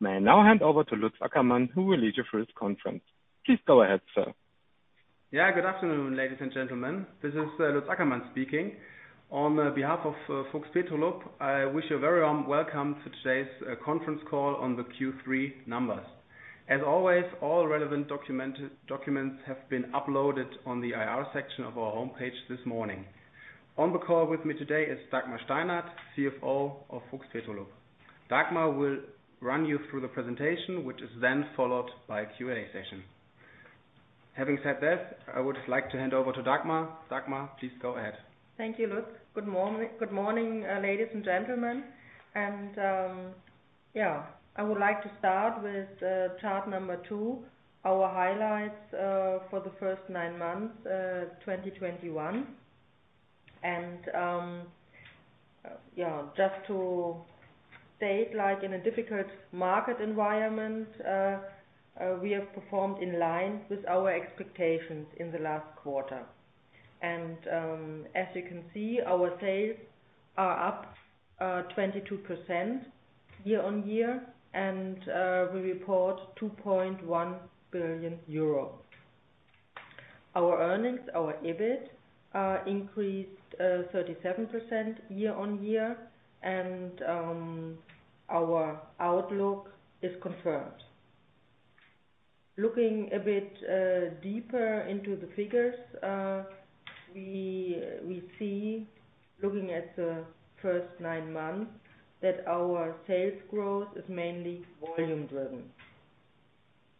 May I now hand over to Lutz Ackermann, who will lead you through this conference. Please go ahead, sir. Yeah, good afternoon, ladies and gentlemen. This is Lutz Ackermann speaking. On behalf of FUCHS Petrolub, I wish you a very warm welcome to today's conference call on the Q3 numbers. As always, all relevant documents have been uploaded on the IR section of our homepage this morning. On the call with me today is Dagmar Steinert, CFO of FUCHS Petrolub. Dagmar will run you through the presentation, which is then followed by a Q&A session. Having said this, I would like to hand over to Dagmar. Dagmar, please go ahead. Thank you, Lutz. Good morning, ladies and gentlemen. I would like to start with chart number two, our highlights for the first nine months 2021. Just to state, like, in a difficult market environment, we have performed in line with our expectations in the last quarter. As you can see, our sales are up 22% year-on-year and we report 2.1 billion euro. Our earnings, our EBIT, are increased 37% year-on-year and our outlook is confirmed. Looking a bit deeper into the figures, we see, looking at the first nine months, that our sales growth is mainly volume driven.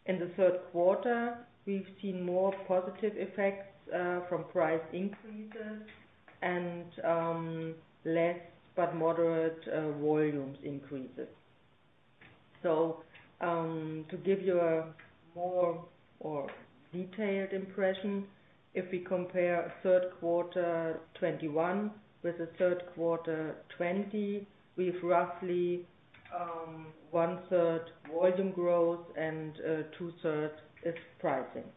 In the third quarter, we've seen more positive effects from price increases and less but moderate volume increases. To give you a more detailed impression, if we compare third quarter 2021 with the third quarter 2020, we have roughly 1/3 volume growth and 2/3 is pricing.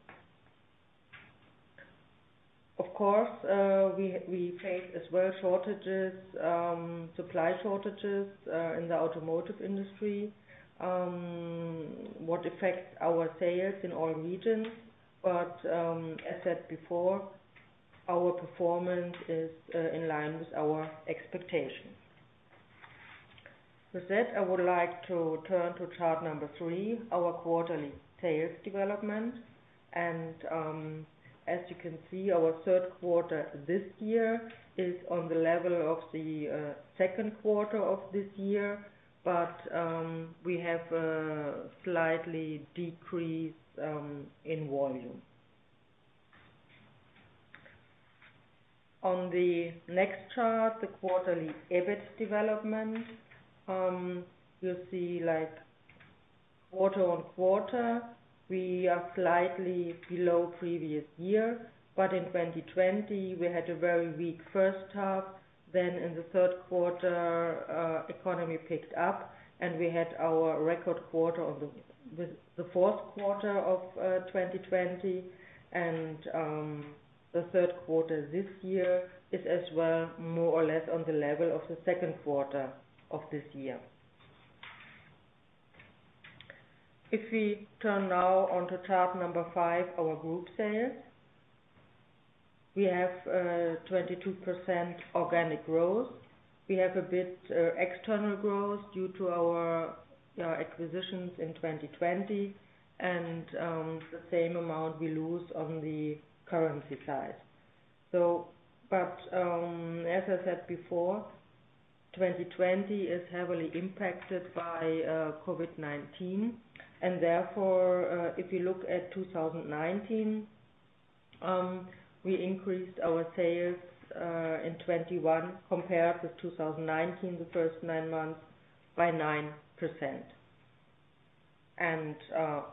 Of course, we face as well shortages, supply shortages, in the automotive industry, what affects our sales in all regions. As said before, our performance is in line with our expectations. With that, I would like to turn to chart number three, our quarterly sales development. As you can see, our third quarter this year is on the level of the second quarter of this year, but we have a slight decrease in volume. On the next chart, the quarterly EBIT development, you'll see, like, quarter-on-quarter, we are slightly below previous year. In 2020, we had a very weak first half, then in the third quarter, the economy picked up and we had our record quarter with the fourth quarter of 2020. The third quarter this year is as well more or less on the level of the second quarter of this year. If we turn now to chart number five, our group sales. We have 22% organic growth. We have a bit of external growth due to our acquisitions in 2020 and the same amount we lose on the currency side. As I said before, 2020 is heavily impacted by COVID-19 and therefore, if you look at 2019, we increased our sales in 2021 compared with 2019, the first nine months, by 9%.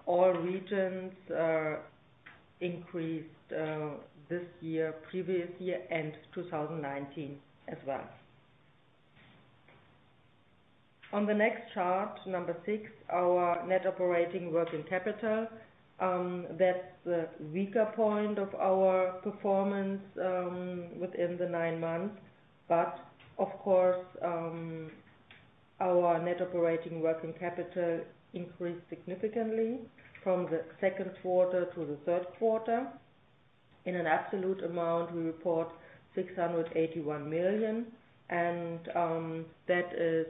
All regions increased this year, previous year, and 2019 as well. On the next chart, number six, our net operating working capital, that's the weaker point of our performance within the nine months. Of course, our net operating working capital increased significantly from the second quarter to the third quarter. In an absolute amount, we report 681 million and that is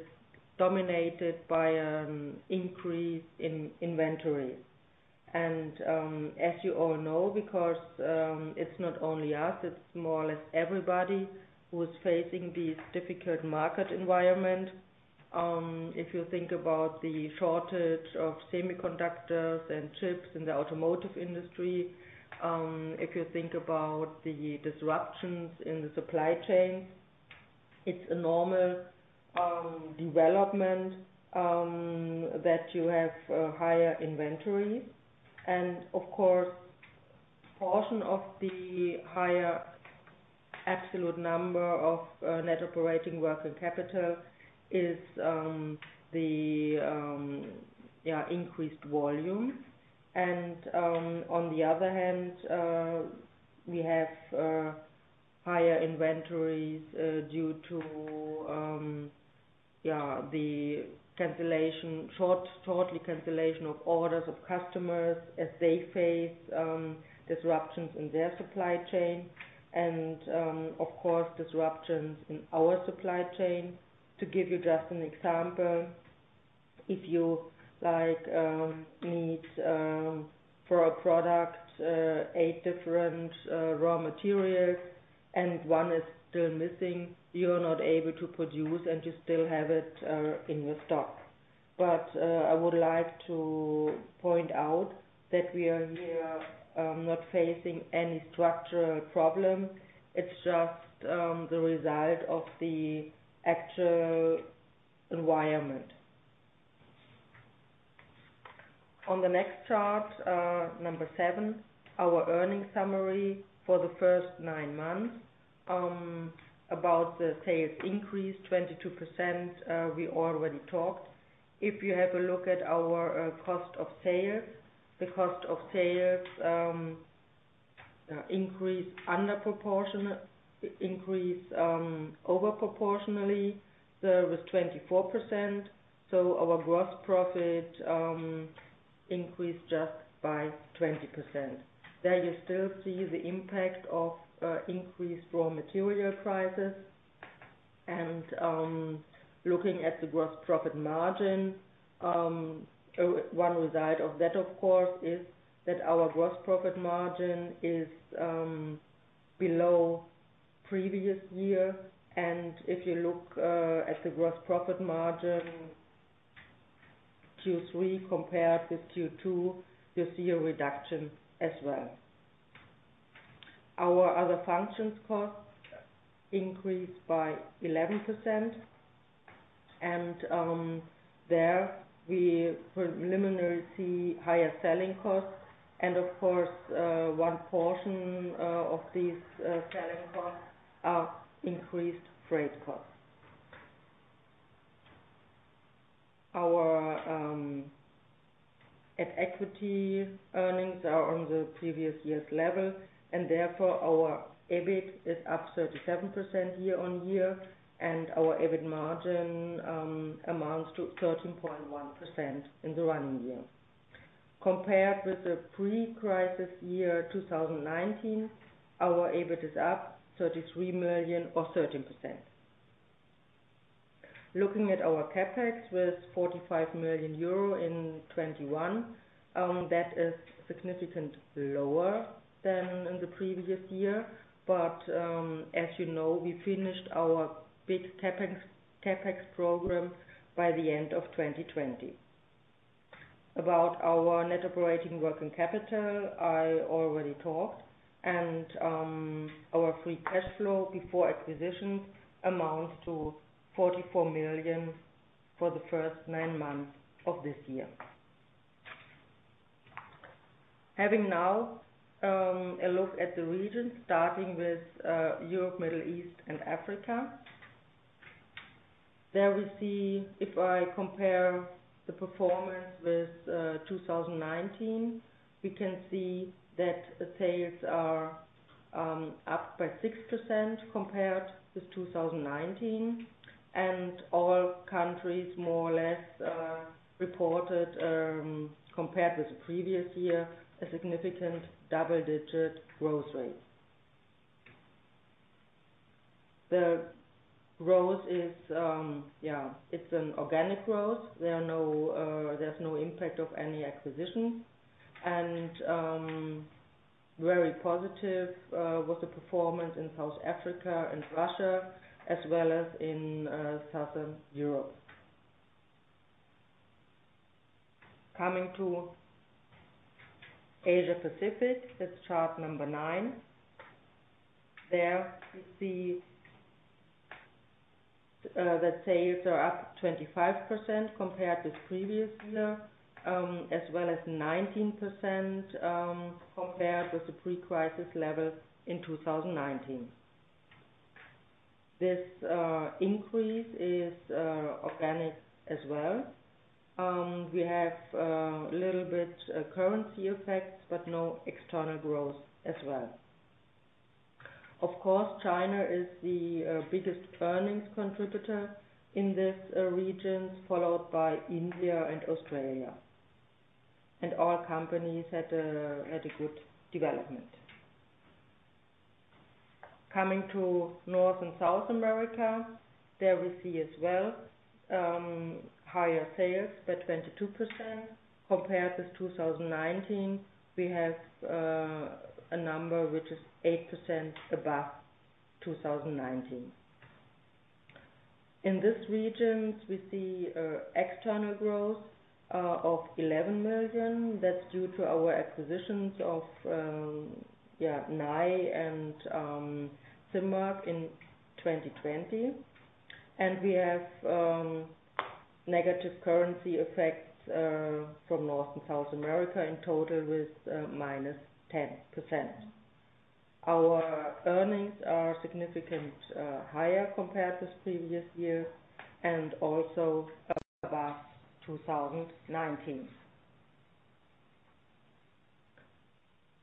dominated by an increase in inventory. As you all know, because it's not only us, it's more or less everybody who is facing this difficult market environment. If you think about the shortage of semiconductors and chips in the automotive industry, if you think about the disruptions in the supply chain, it's a normal development that you have higher inventory. Of course, a portion of the higher absolute number of net operating working capital is the increased volumes. On the other hand, we have higher inventories due to the cancellation of orders of customers as they face disruptions in their supply chain and, of course, disruptions in our supply chain. To give you just an example, if you like, you need for a product eight different raw materials and one is still missing, you are not able to produce and you still have it in your stock. I would like to point out that we are not facing any structural problem. It's just the result of the actual environment. On the next chart, number seven, our earnings summary for the first nine months, about the sales increase 22%, we already talked. If you have a look at our cost of sales, the cost of sales increased over proportionally. There it was 24%. Our gross profit increased just by 20%. There you still see the impact of increased raw material prices. Looking at the gross profit margin, one result of that, of course, is that our gross profit margin is below previous year. If you look at the gross profit margin Q3 compared with Q2, you see a reduction as well. Our other functions costs increased by 11%. There we preliminarily see higher selling costs. Of course, one portion of these selling costs are increased freight costs. Our at equity earnings are on the previous year's level, and therefore our EBIT is up 37% year-on-year, and our EBIT margin amounts to 13.1% in the running year. Compared with the pre-crisis year 2019, our EBIT is up 33 million or 13%. Looking at our CapEx with 45 million euro in 2021, that is significantly lower than in the previous year. As you know, we finished our big CapEx program by the end of 2020. About our net operating working capital, I already talked, and our free cash flow before acquisition amounts to 44 million for the first nine months of this year. Having now a look at the regions, starting with Europe, Middle East, and Africa. There we see, if I compare the performance with 2019, we can see that the sales are up by 6% compared with 2019. All countries more or less reported, compared with the previous year, a significant double-digit growth rate. The growth is, yeah, it's an organic growth. There's no impact of any acquisition. Very positive was the performance in South Africa and Russia as well as in Southern Europe. Coming to Asia Pacific, that's chart number nine. There we see that sales are up 25% compared with previous year, as well as 19% compared with the pre-crisis level in 2019. This increase is organic as well. We have a little bit currency effects, but no external growth as well. Of course, China is the biggest earnings contributor in these regions, followed by India and Australia. All companies had a good development. Coming to North and South America, there we see as well higher sales by 22%. Compared with 2019, we have a number which is 8% above 2019. In these regions, we see external growth of 11 million. That's due to our acquisitions of Nye and Simmark in 2020. We have negative currency effects from North and South America in total with -10%. Our earnings are significantly higher compared to previous year and also above 2019.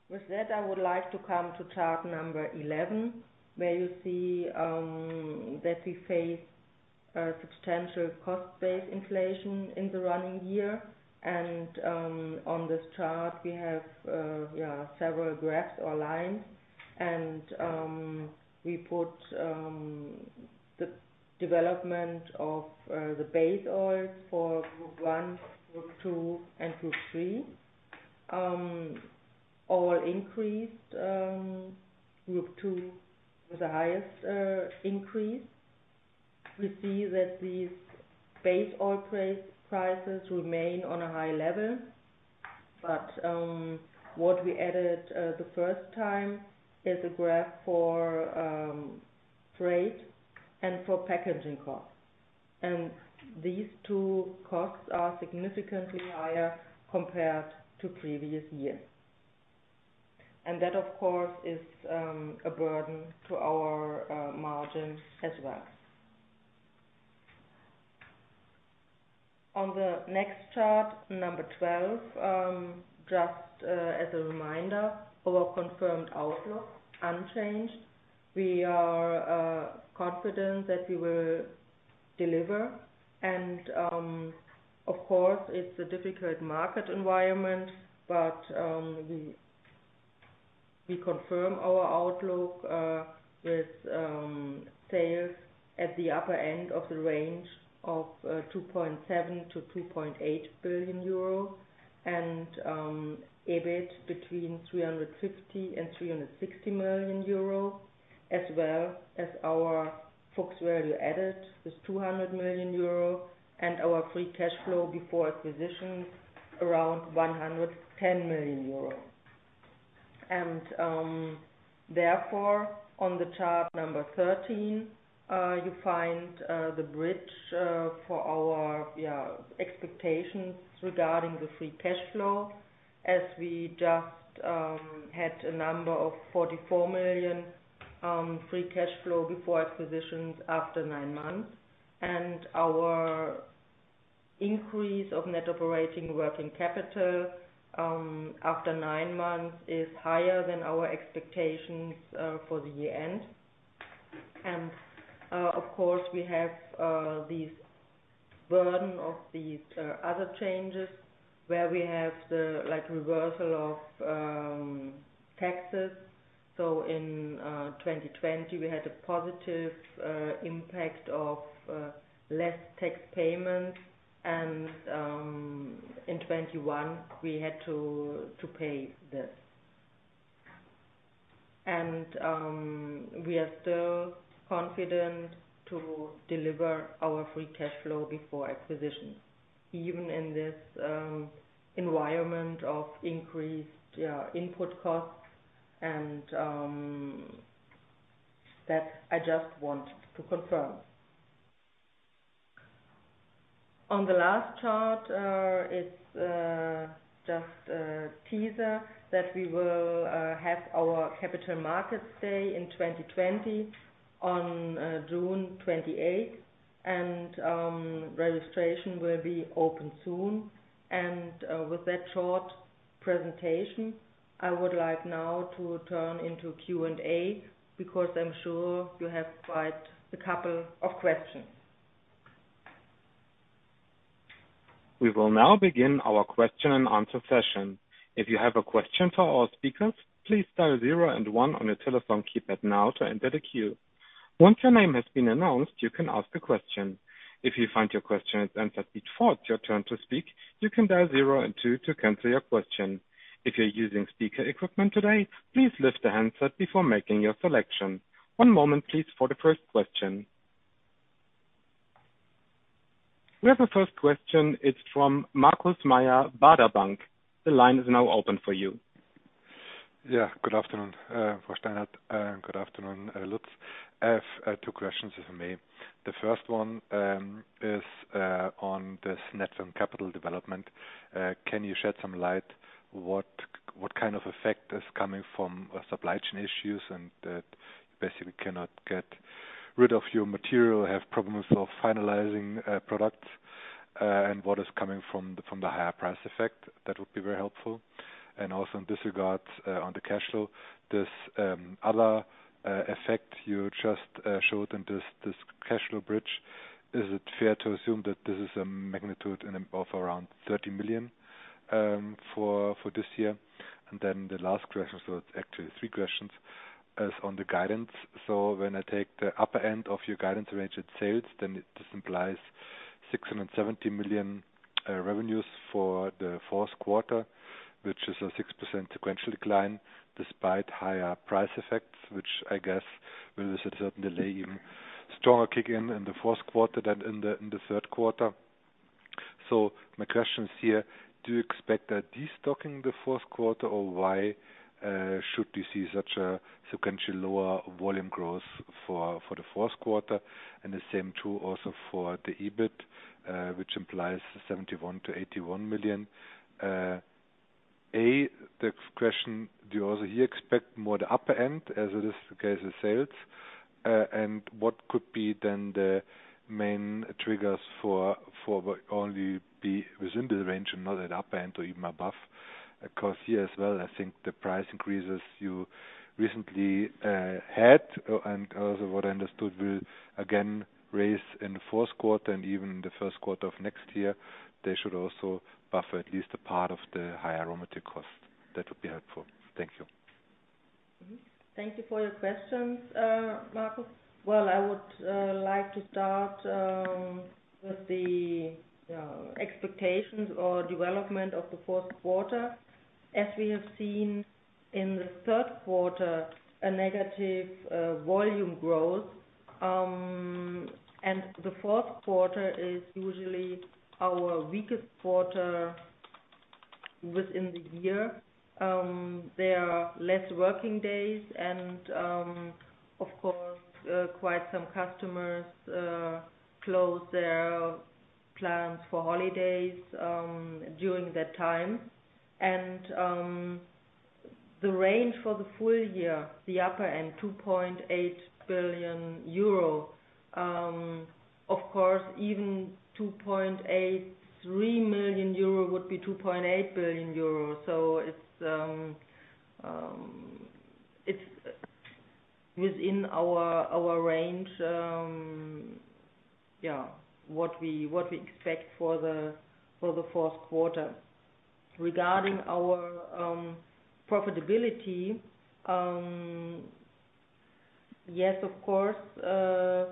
With that, I would like to come to chart 11, where you see that we face substantial cost-based inflation in the running year. On this chart we have several graphs or lines and we put the development of the base oils for Group I, Group II, and Group III. All increased, Group II with the highest increase. We see that these base oil prices remain on a high level. What we added the first time is a graph for freight and for packaging costs. These two costs are significantly higher compared to previous years. That, of course, is a burden to our margins as well. On the next chart, number 12, just as a reminder, our confirmed outlook unchanged. We are confident that we will deliver and of course, it's a difficult market environment, but we confirm our outlook with sales at the upper end of the range of 2.7 billion-2.8 billion euro. EBIT between 350 million and 360 million euro, as well as our FUCHS Value Added is 200 million euro and our free cash flow before acquisitions around 110 million euro. Therefore, on the chart number 13, you find the bridge for our expectations regarding the free cash flow as we just had a number of 44 million free cash flow before acquisitions after nine months. Our increase of net operating working capital after nine months is higher than our expectations for the year-end. Of course, we have the burden of these other changes where we have the like reversal of taxes. In 2020, we had a positive impact of less tax payments and in 2021 we had to pay this. We are still confident to deliver our free cash flow before acquisitions, even in this environment of increased input costs and that I just want to confirm. On the last chart, it's just a teaser that we will have our Capital Markets Day in 2022 on June 28, and registration will be open soon. With that short presentation, I would like now to turn into Q&A because I'm sure you have quite a couple of questions. We will now begin our question and answer session. If you have a question for our speakers, please dial zero and one on your telephone keypad now to enter the queue. Once your name has been announced, you can ask a question. If you find your question has answered before it's your turn to speak, you can dial zero and two to cancel your question. If you're using speaker equipment today, please lift the handset before making your selection. One moment please for the first question. We have a first question, it's from Markus Mayer, Baader Bank. The line is now open for you. Yeah. Good afternoon, Steinert. Good afternoon, Lutz. I have two questions, if I may. The first one is on this net working capital development. Can you shed some light what kind of effect is coming from supply chain issues and that you basically cannot get rid of your material, have problems of finalizing product, and what is coming from the higher price effect? That would be very helpful. Also in this regard, on the cash flow, this other effect you just showed in this cash flow bridge, is it fair to assume that this is a magnitude of around 30 million for this year? The last question, it's actually three questions, is on the guidance. When I take the upper end of your guidance range at sales, then this implies 670 million revenues for the fourth quarter, which is a 6% sequential decline despite higher price effects, which I guess will certainly have even stronger kick in in the fourth quarter than in the third quarter. My question is here, do you expect a de-stocking in the fourth quarter, or why should we see such a sequentially lower volume growth for the fourth quarter? The same too also for the EBIT, which implies 71 million-81 million. The question, do you also here expect more the upper end as it is the case of sales? What could be then the main triggers for only be within the range and not at upper end or even above? Of course, here as well, I think the price increases you recently had, and also what I understood will again raise in the fourth quarter and even in the first quarter of next year, they should also buffer at least a part of the higher raw material cost. That would be helpful. Thank you. Thank you for your questions, Markus. Well, I would like to start with the expectations or development of the fourth quarter. As we have seen in the third quarter, a negative volume growth, and the fourth quarter is usually our weakest quarter within the year. There are less working days and, of course, quite some customers close their plants for holidays during that time. The range for the full year, the upper end, 2.8 billion euro, of course, even 2.83 billion euro would be 2.8 billion euro. It's within our range, yeah, what we expect for the fourth quarter. Regarding our profitability, yes, of course,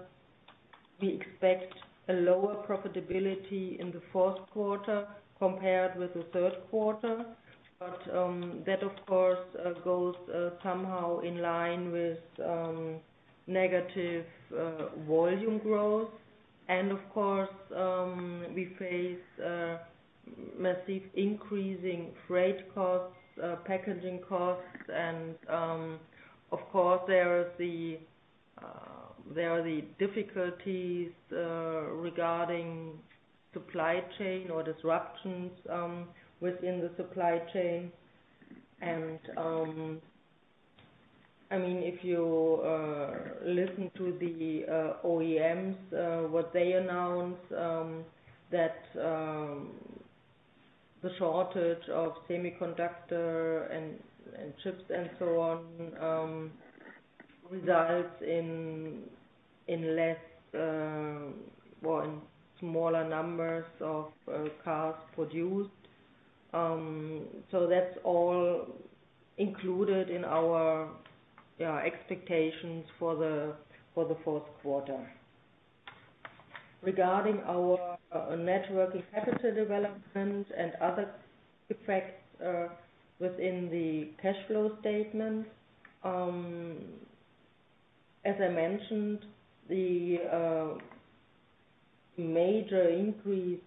we expect a lower profitability in the fourth quarter compared with the third quarter. That of course goes somehow in line with negative volume growth. Of course, we face massive increasing freight costs, packaging costs and of course there are the difficulties regarding supply chain or disruptions within the supply chain. I mean, if you listen to the OEMs what they announce, that the shortage of semiconductor and chips and so on results in less, well, in smaller numbers of cars produced. So that's all included in our expectations for the fourth quarter. Regarding our net working capital development and other effects within the cash flow statement, as I mentioned, the major increase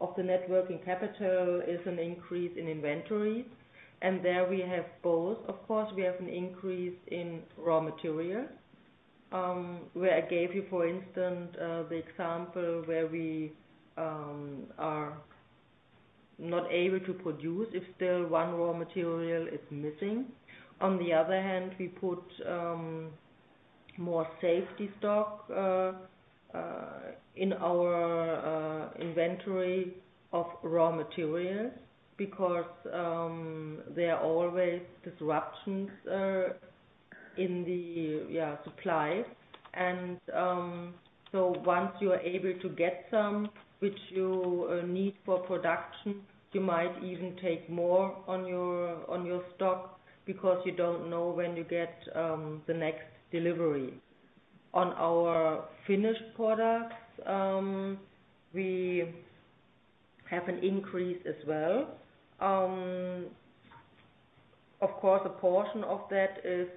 of the net working capital is an increase in inventory. There we have both. Of course, we have an increase in raw material where I gave you, for instance, the example where we are not able to produce if still one raw material is missing. On the other hand, we put more safety stock in our inventory of raw materials because there are always disruptions in the supply. Once you are able to get some which you need for production, you might even take more on your stock because you don't know when you get the next delivery. On our finished products, we have an increase as well. Of course, a portion of that is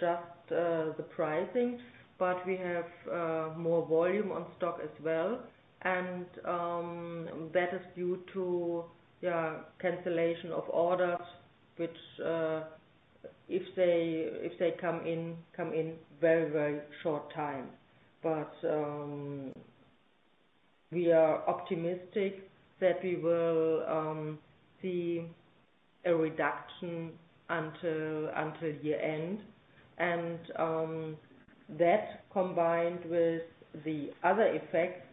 just the pricing, but we have more volume in stock as well. That is due to cancellation of orders, which come in very short time. We are optimistic that we will see a reduction until year-end. That combined with the other effects,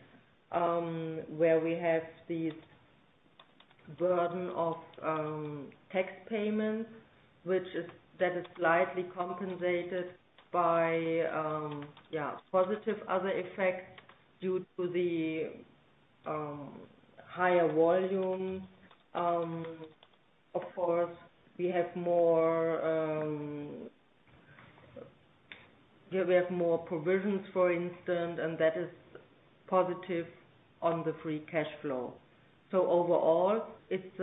where we have the burden of tax payments that is slightly compensated by positive other effects due to the higher volume. Of course, we have more provisions, for instance, and that is positive on the free cash flow. Overall, it's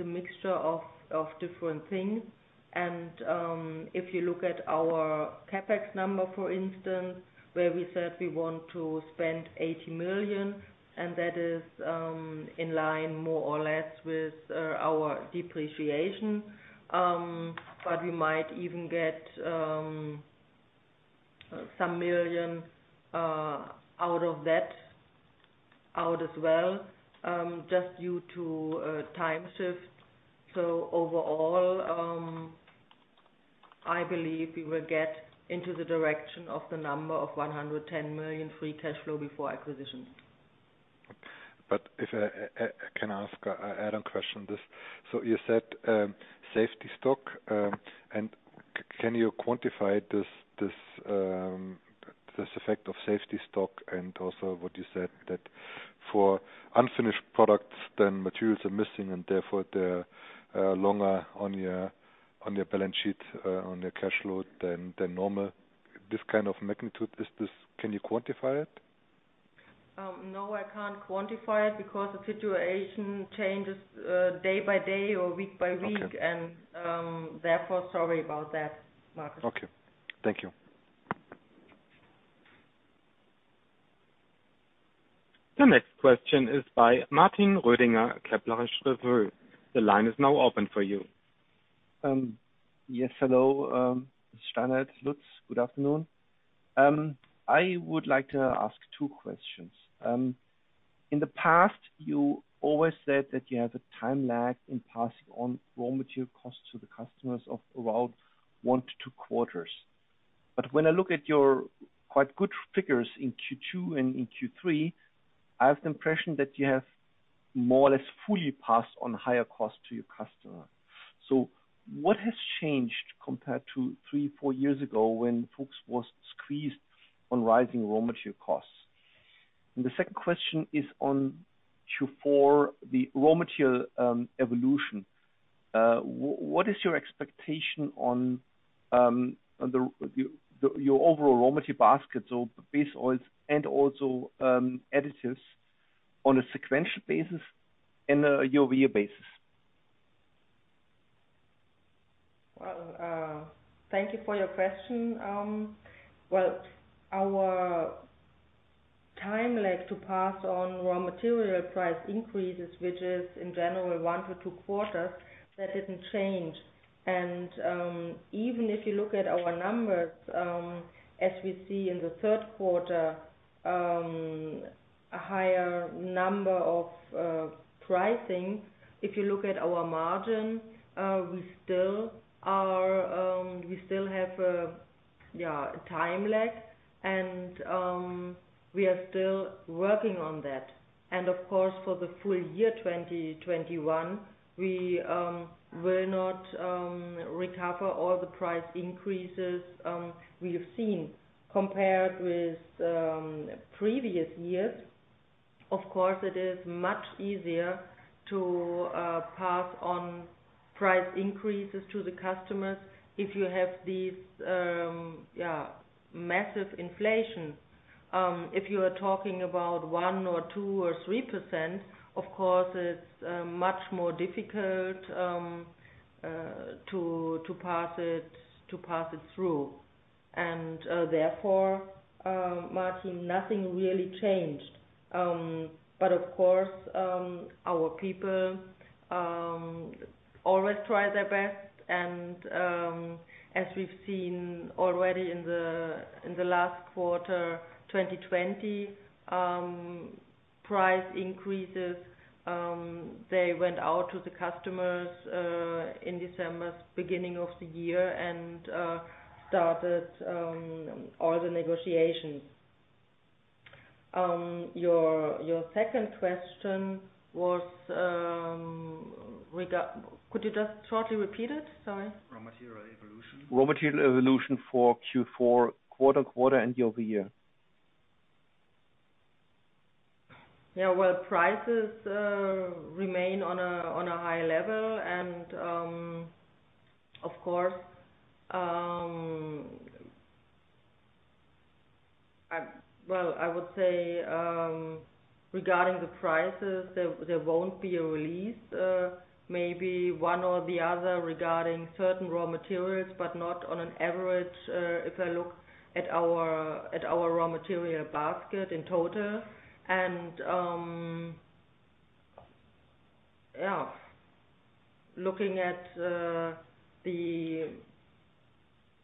a mixture of different things. If you look at our CapEx number, for instance, where we said we want to spend 80 million, and that is in line more or less with our depreciation. But we might even get some million out of that, out as well, just due to a time shift. Overall, I believe we will get into the direction of the number of 110 million free cash flow before acquisitions. If I can ask an add-on question this. You said safety stock and can you quantify this effect of safety stock and also what you said that for unfinished products then materials are missing and therefore they're longer on your balance sheet, on your cash flow than normal. This kind of magnitude. Can you quantify it? No, I can't quantify it because the situation changes day by day or week by week. Okay. Therefore, sorry about that, Markus. Okay. Thank you. The next question is by Martin Roediger, Kepler Cheuvreux. The line is now open for you. Hello, Steinert, Lutz. Good afternoon. I would like to ask two questions. In the past, you always said that you have a time lag in passing on raw material costs to the customers of around one to two quarters. When I look at your quite good figures in Q2 and in Q3, I have the impression that you have more or less fully passed on higher costs to your customer. What has changed compared to three-four years ago when FUCHS was squeezed on rising raw material costs? The second question is on Q4, the raw material evolution. What is your expectation on your overall raw material basket, so the base oils and also additives on a sequential basis and a year-over-year basis? Well, thank you for your question. Well, our time lag to pass on raw material price increases, which is in general one to two quarters, that didn't change. Even if you look at our numbers, as we see in the third quarter, a higher number of pricing. If you look at our margin, we still have a time lag and we are still working on that. Of course, for the full year 2021, we will not recover all the price increases we've seen compared with previous years. Of course, it is much easier to pass on price increases to the customers if you have these massive inflation. If you are talking about 1% or 2% or 3%, of course, it's much more difficult to pass it through. Therefore, Martin, nothing really changed. But of course, our people always try their best. As we've seen already in the last quarter, 2020, price increases they went out to the customers in December, beginning of the year and started all the negotiations. Your second question was. Could you just shortly repeat it? Sorry. Raw material evolution. Raw material evolution for Q4 quarter-over-quarter and year-over-year. Yeah, well, prices remain on a high level. Of course, well, I would say regarding the prices, there won't be a relief, maybe one or the other regarding certain raw materials, but not on average, if I look at our raw material basket in total. Looking at the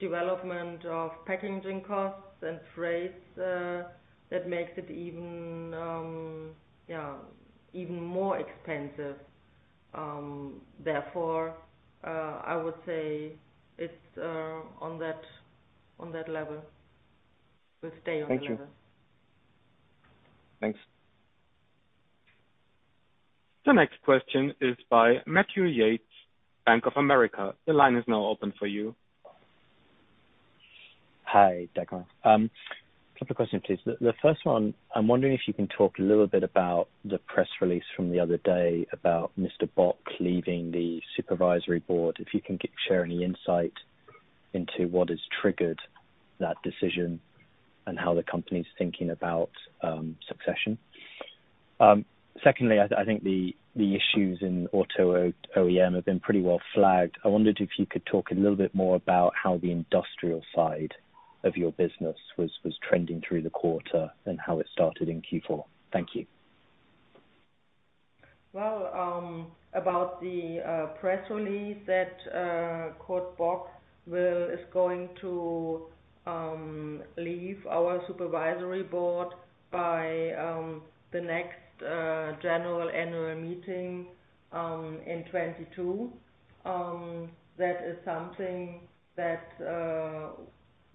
development of packaging costs and freights, that makes it even more expensive. Therefore, I would say it's on that level. It will stay on that level. Thank you. Thanks. The next question is by Matthew Yates, Bank of America. The line is now open for you. Hi, Dagmar. Couple of questions, please. The first one, I'm wondering if you can talk a little bit about the press release from the other day about Mr. Bock leaving the supervisory board. If you can share any insight into what has triggered that decision and how the company's thinking about succession. Secondly, I think the issues in auto OEM have been pretty well flagged. I wondered if you could talk a little bit more about how the industrial side of your business was trending through the quarter and how it started in Q4. Thank you. Well, about the press release that Kurt Bock is going to leave our Supervisory Board by the next general annual meeting in 2022, that is something that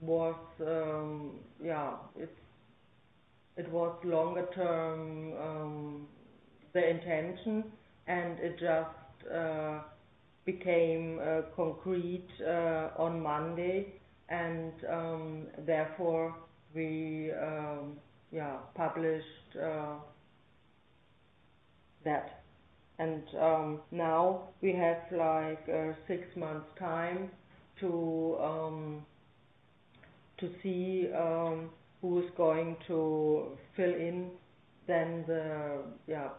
was longer-term the intention, and it just became concrete on Monday and therefore we published that. Now we have, like, six months' time to see who's going to fill in then the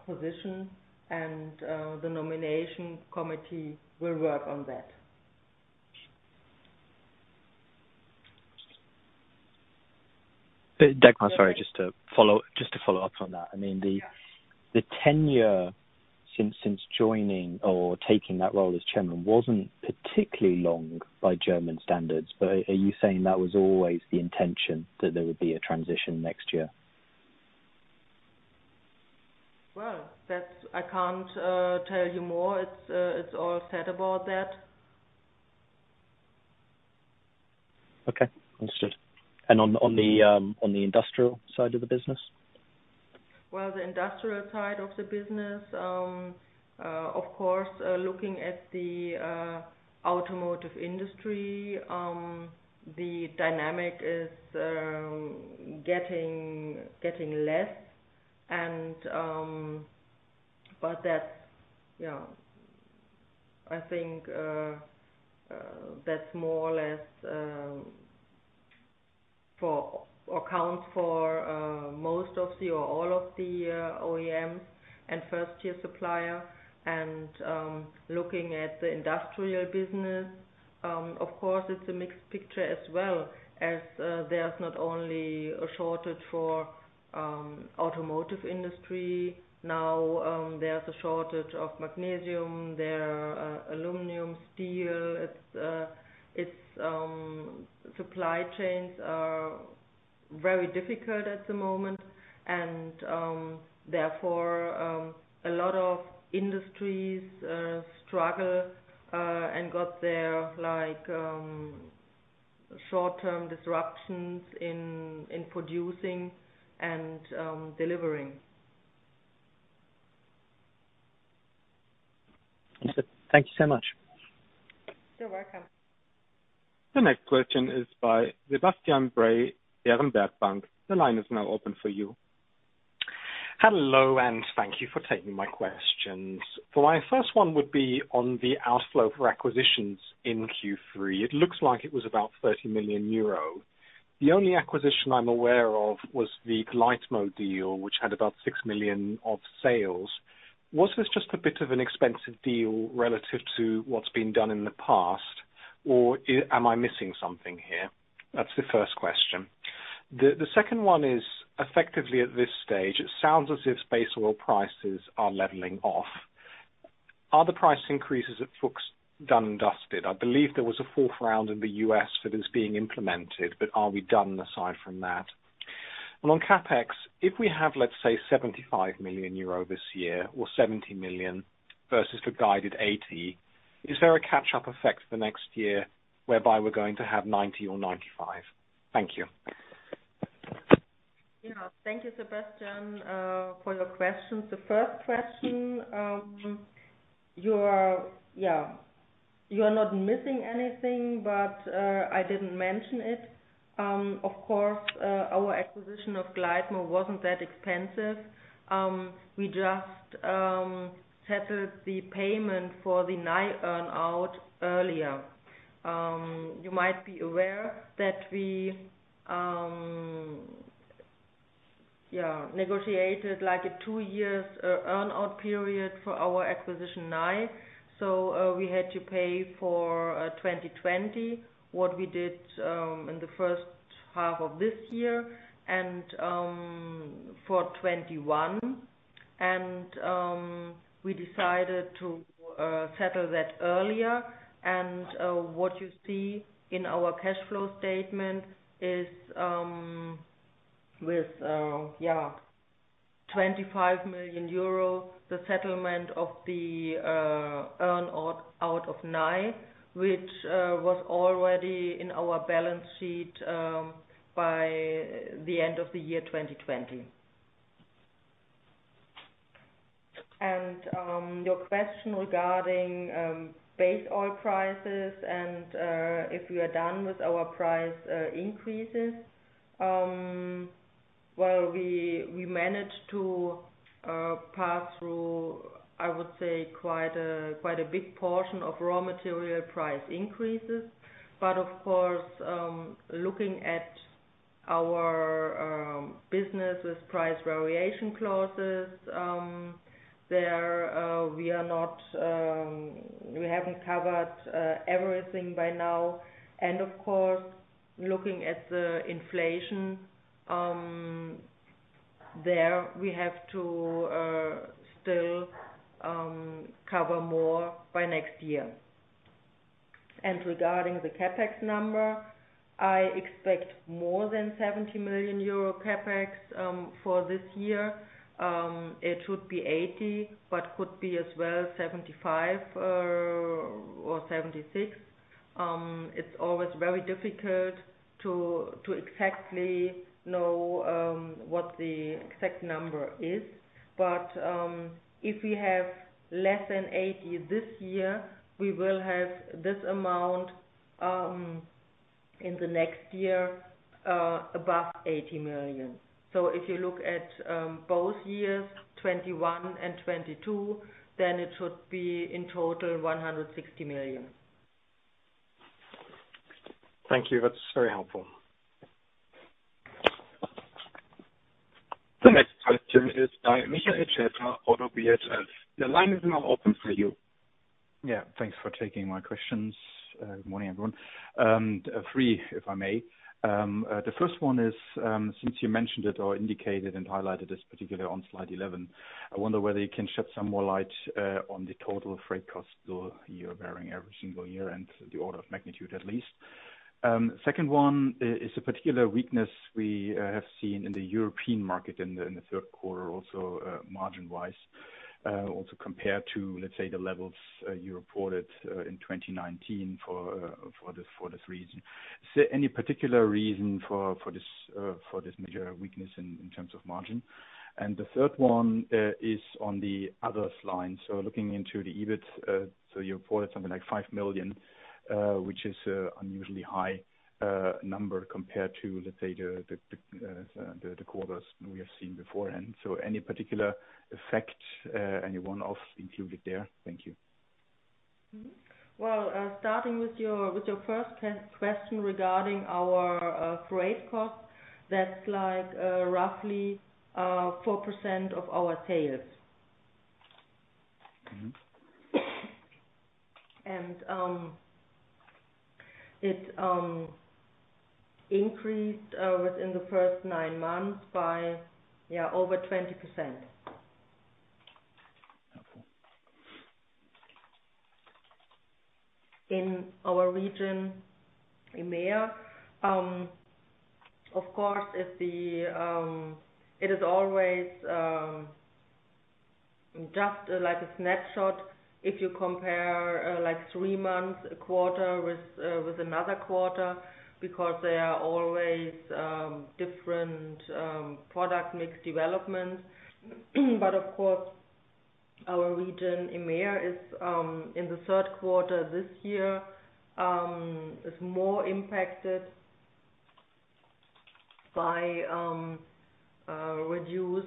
position and the nomination committee will work on that. Dagmar, sorry, just to follow up on that. I mean, the tenure since joining or taking that role as chairman wasn't particularly long by German standards, but are you saying that was always the intention that there would be a transition next year? Well, I can't tell you more. It's all said about that. Okay. Understood. On the industrial side of the business? Well, the industrial side of the business, of course, looking at the automotive industry, the dynamic is getting less. That's, yeah. I think that's more or less to account for most of the, or all of the OEMs and first-tier supplier. Looking at the industrial business, of course, it's a mixed picture as well. There's not only a shortage for the automotive industry. Now, there's a shortage of magnesium, aluminum, steel. It's supply chains are very difficult at the moment and therefore a lot of industries struggle and got their, like, short-term disruptions in producing and delivering. Understood. Thank you so much. You're welcome. The next question is by Sebastian Bray, Berenberg Bank. The line is now open for you. Hello, thank you for taking my questions. My first one would be on the outflow for acquisitions in Q3. It looks like it was about 30 million euro. The only acquisition I'm aware of was the Gleitmo deal, which had about 6 million of sales. Was this just a bit of an expensive deal relative to what's been done in the past, or am I missing something here? That's the first question. The second one is, effectively at this stage, it sounds as if base oil prices are leveling off. Are the price increases at FUCHS done and dusted? I believe there was a fourth round in the U.S. that is being implemented, but are we done aside from that? On CapEx, if we have, let's say, 75 million euro this year or 70 million versus the guided 80 million, is there a catch-up effect the next year whereby we're going to have 90 million or 95 million? Thank you. Yeah. Thank you, Sebastian, for your questions. The first question, you're not missing anything, but I didn't mention it. Of course, our acquisition of Gleitmo wasn't that expensive. We just settled the payment for the Nye earn-out earlier. You might be aware that we negotiated like a two years' earn-out period for our acquisition, Nye. We had to pay for 2020, what we did in the first half of this year and for 2021. We decided to settle that earlier. What you see in our cash flow statement is with 25 million euro, the settlement of the earn-out out of Nye, which was already in our balance sheet by the end of the year 2020. Your question regarding base oil prices and if we are done with our price increases, well, we managed to pass through, I would say, quite a big portion of raw material price increases. But of course, looking at our business' price variation clauses, we haven't covered everything by now. Of course, looking at the inflation, there we have to still cover more by next year. Regarding the CapEx number, I expect more than 70 million euro CapEx for this year. It should be 80 million, but could be as well 75 million or 76 million. It's always very difficult to exactly know what the exact number is. If we have less than 80 million this year, we will have this amount in the next year above 80 million. If you look at both years, 2021 and 2022, then it should be in total 160 million. Thank you. That's very helpful. The next question is by Michael Schaefer, ODDO BHF. The line is now open for you. Yeah, thanks for taking my questions. Good morning, everyone. Three, if I may. The first one is, since you mentioned it or indicated and highlighted this particular on slide 11, I wonder whether you can shed some more light on the total freight cost you are bearing every single year and the order of magnitude at least. Second one is a particular weakness we have seen in the European market in the third quarter also, margin wise, also compared to, let's say, the levels you reported in 2019 for this reason. Is there any particular reason for this major weakness in terms of margin? And the third one is on the others line. Looking into the EBIT, you reported something like 5 million, which is unusually high number compared to, let's say, the quarters we have seen beforehand. Any particular effect, any one-off included there? Thank you. Well, starting with your first question regarding our freight cost, that's like roughly 4% of our sales. Mm-hmm. It increased within the first nine months by over 20%. Okay. In our region, EMEA, of course, if it is always just like a snapshot, if you compare like three months, a quarter with with another quarter, because there are always different product mix development. But of course, our region, EMEA, is in the third quarter this year more impacted by reduced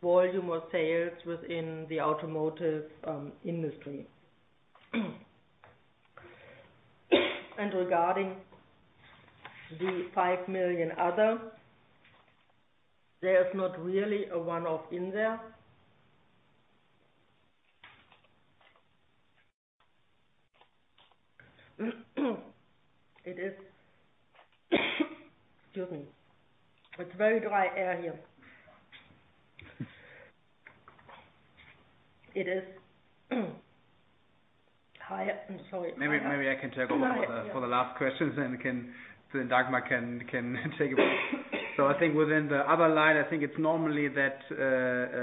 volume of sales within the automotive industry. Regarding the 5 million other, there is not really a one-off in there. Excuse me. It's very dry air here. Hi, I'm sorry. Maybe I can take over for the last questions, then Dagmar can take over. I think within the other line, I think it's normally that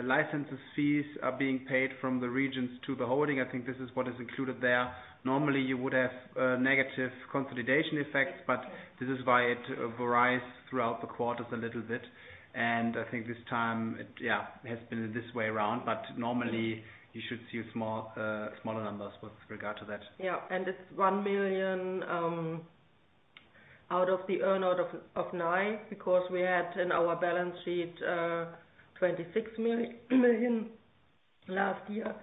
license fees are being paid from the regions to the holding. I think this is what is included there. Normally, you would have negative consolidation effects, but this is why it varies throughout the quarters a little bit. I think this time it has been this way around. Normally you should see smaller numbers with regard to that. It's 1 million out of the earn-out of nine, because we had in our balance sheet 26 million last year.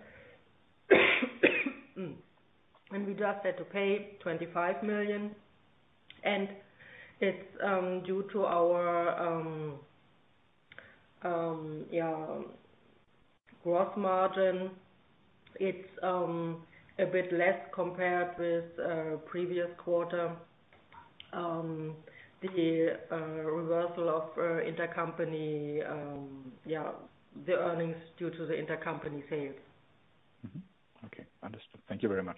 We just had to pay 25 million. It's due to our gross margin. It's a bit less compared with previous quarter. The reversal of intercompany earnings due to the intercompany sales. Mm-hmm. Okay, understood. Thank you very much.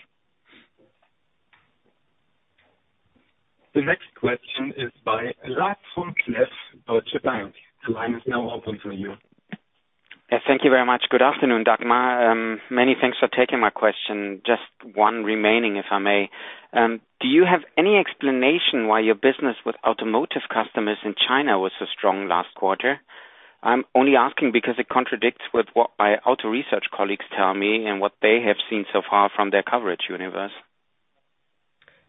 The next question is by Lars Vom Cleff, Deutsche Bank. The line is now open for you. Yeah, thank you very much. Good afternoon, Dagmar. Many thanks for taking my question. Just one remaining, if I may. Do you have any explanation why your business with automotive customers in China was so strong last quarter? I'm only asking because it contradicts with what my auto research colleagues tell me and what they have seen so far from their coverage universe.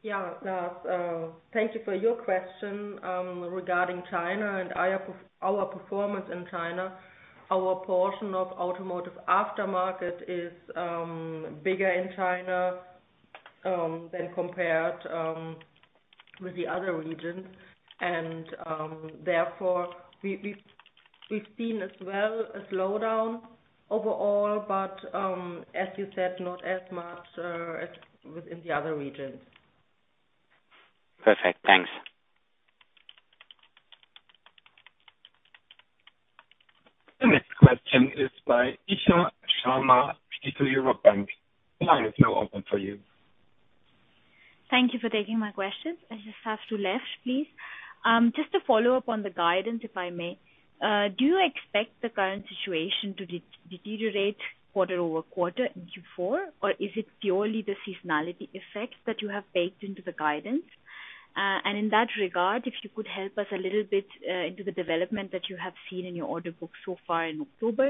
Yeah. Lars, thank you for your question regarding China and our performance in China. Our portion of automotive aftermarket is bigger in China than compared with the other regions and therefore we've seen as well a slowdown overall. As you said, not as much as within the other regions. Perfect. Thanks. The next question is by Isha Sharma, Stifel Europe Bank. The line is now open for you. Thank you for taking my questions. This is for Lutz, please. Just to follow up on the guidance, if I may. Do you expect the current situation to deteriorate quarter-over-quarter in Q4, or is it purely the seasonality effect that you have baked into the guidance? And in that regard, if you could help us a little bit, into the development that you have seen in your order book so far in October,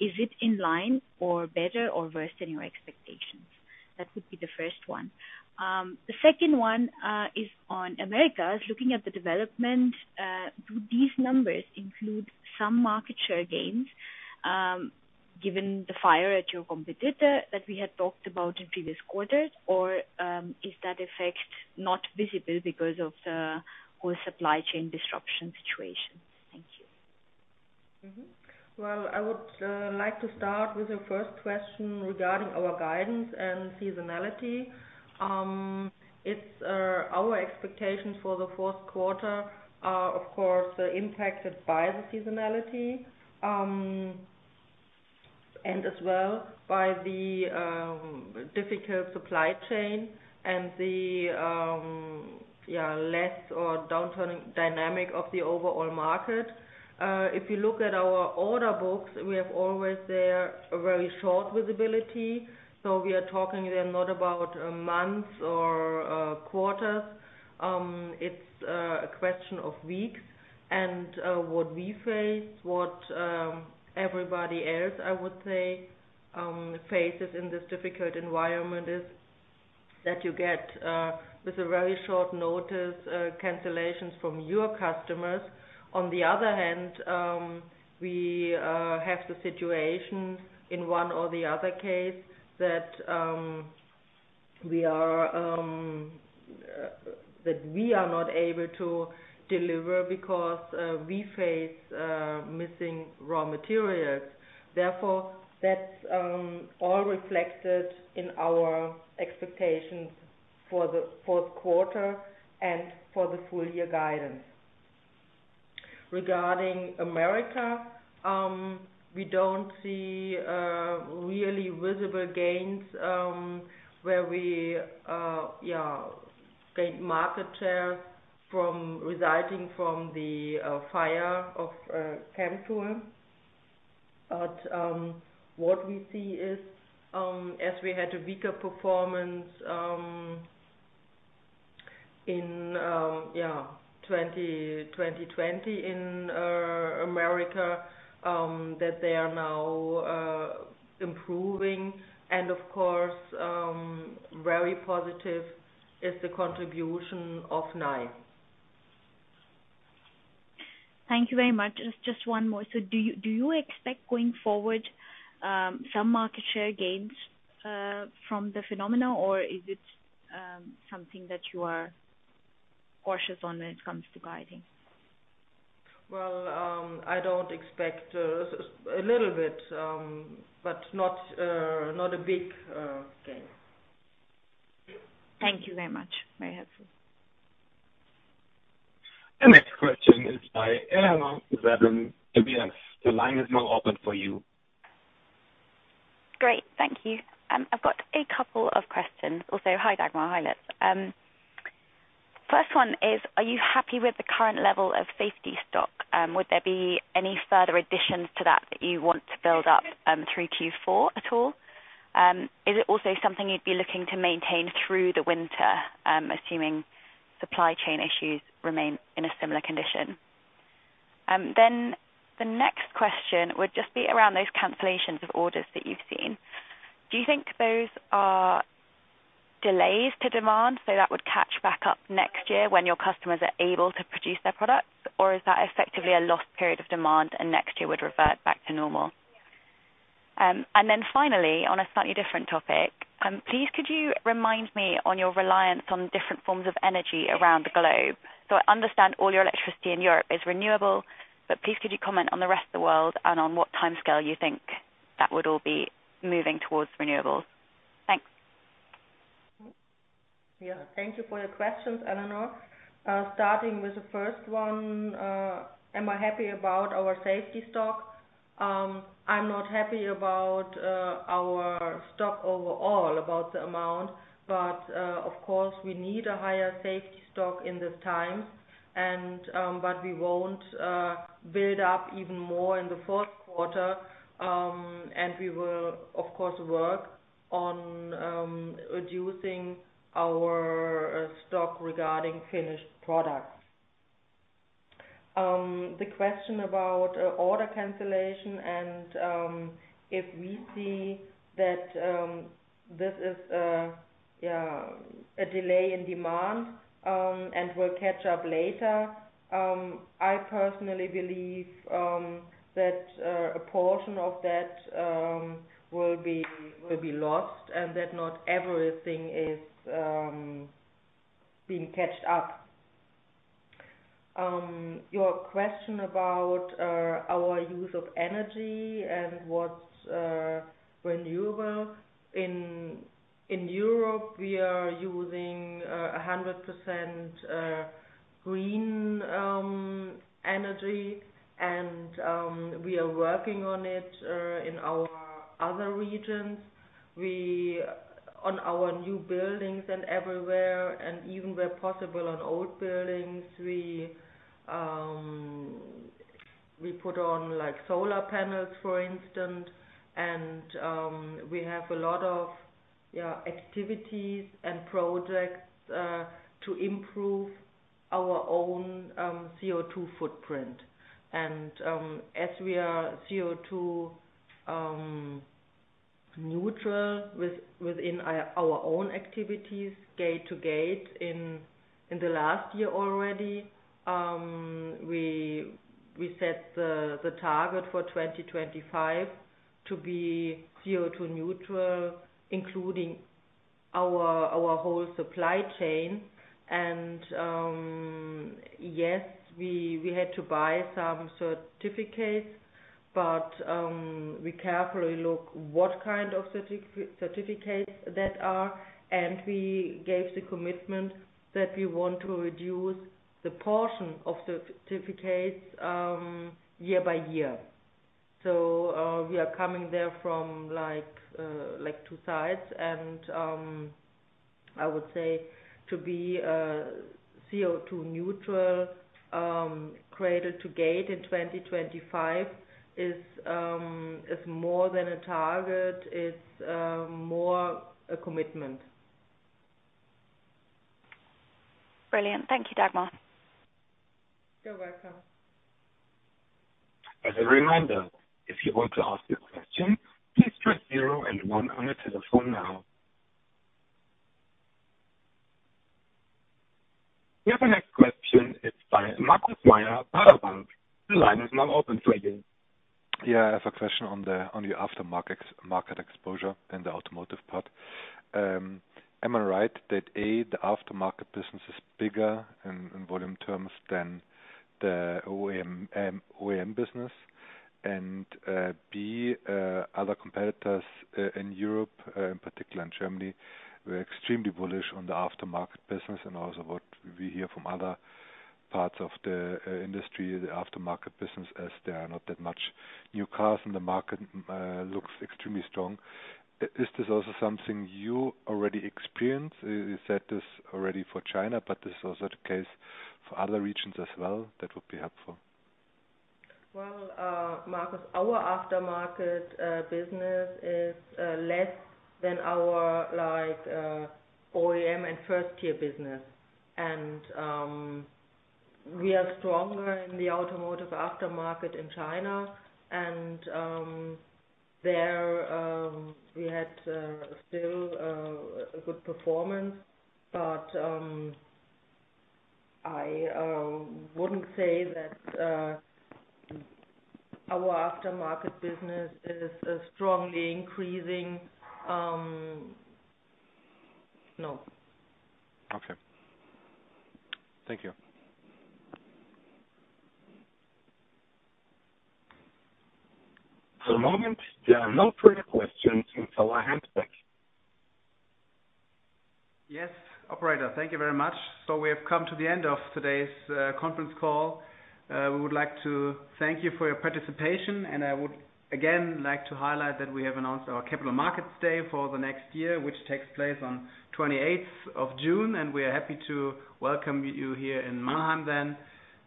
is it in line or better or worse than your expectations? That would be the first one. The second one is on Americas. Looking at the development, do these numbers include some market share gains, given the fire at your competitor that we had talked about in previous quarters, or is that effect not visible because of the whole supply chain disruption situation? Thank you. Well, I would like to start with the first question regarding our guidance and seasonality. It's our expectations for the fourth quarter are, of course, impacted by the seasonality, and as well by the difficult supply chain and the lesser downturn dynamic of the overall market. If you look at our order books, we have always there a very short visibility. We are talking there not about months or quarters. It's a question of weeks. What we face, what everybody else, I would say, faces in this difficult environment is that you get with a very short notice cancellations from your customers. On the other hand, we have the situation in one or the other case that we are not able to deliver because we face missing raw materials. Therefore, that's all reflected in our expectations for the fourth quarter and for the full year guidance. Regarding America, we don't see really visible gains where we gain market share resulting from the fire of Chemtool. What we see is, as we had a weaker performance in 2020 in America, that they are now improving. Of course, very positive is the contribution of Nye. Thank you very much. Just one more. Do you expect going forward some market share gains from the phenomena, or is it something that you are cautious on when it comes to guiding? Well, I don't expect a little bit, but not a big gain. Thank you very much. Very helpful. The next question is by Eleanor Seddon at UBS. The line is now open for you. Great. Thank you. I've got a couple of questions. Also, hi, Dagmar. Hi, Lutz. First one is, are you happy with the current level of safety stock? Would there be any further additions to that you want to build up, through Q4 at all? Is it also something you'd be looking to maintain through the winter, assuming supply chain issues remain in a similar condition? The next question would just be around those cancellations of orders that you've seen. Do you think those are delays to demand, so that would catch back up next year when your customers are able to produce their products? Or is that effectively a lost period of demand and next year would revert back to normal? Finally, on a slightly different topic, please could you remind me on your reliance on different forms of energy around the globe? I understand all your electricity in Europe is renewable, but please could you comment on the rest of the world and on what timescale you think that would all be moving towards renewables? Thanks. Thank you for your questions, Eleanor. Starting with the first one, am I happy about our safety stock? I'm not happy about our stock overall, about the amount, but of course, we need a higher safety stock in this time and but we won't build up even more in the fourth quarter. We will, of course, work on reducing our stock regarding finished products. The question about order cancellation and if we see that this is a delay in demand and will catch up later. I personally believe that a portion of that will be lost and that not everything is being caught up. Your question about our use of energy and what's renewable. In Europe, we are using 100% green energy and we are working on it in our other regions. On our new buildings and everywhere, and even where possible on old buildings, we put on like solar panels, for instance. We have a lot of activities and projects to improve our own CO2 footprint. As we are CO2 neutral within our own activities gate-to-gate in the last year already, we set the target for 2025 to be CO2 neutral, including our whole supply chain. Yes, we had to buy some certificates, but we carefully look what kind of certificates that are, and we gave the commitment that we want to reduce the portion of certificates year by year. We are coming there from like two sides and I would say to be CO2 neutral cradle to gate in 2025 is more than a target. It's more a commitment. Brilliant. Thank you, Dagmar. You're welcome. As a reminder, if you want to ask a question, please press zero and one on your telephone now. We have the next question. It's by Markus Mayer, Baader Bank. The line is now open for you. Yeah, I have a question on the aftermarket market exposure in the automotive part. Am I right that, A, the aftermarket business is bigger in volume terms than the OEM business? B, other competitors in Europe, in particular in Germany, we're extremely bullish on the aftermarket business and also what we hear from other parts of the industry, the aftermarket business, as there are not that much new cars in the market, looks extremely strong. Is this also something you already experience? You said this already for China, but this is also the case for other regions as well? That would be helpful. Well, Marcus, our aftermarket business is less than our like OEM and first-tier business. We are stronger in the automotive aftermarket in China and there we had still a good performance. I wouldn't say that our aftermarket business is strongly increasing. No. Okay. Thank you. For the moment, there are no further questions in the queue. Yes, operator. Thank you very much. We have come to the end of today's conference call. We would like to thank you for your participation. I would, again, like to highlight that we have announced our Capital Markets Day for the next year, which takes place on 28th of June, and we are happy to welcome you here in Mannheim then.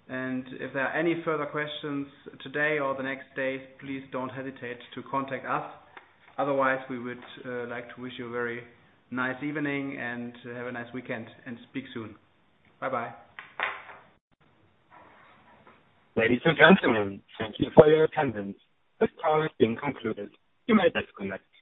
If there are any further questions today or the next days, please don't hesitate to contact us. Otherwise, we would like to wish you a very nice evening and have a nice weekend and speak soon. Bye-bye. Ladies and gentlemen, thank you for your attendance. This call has been concluded. You may disconnect.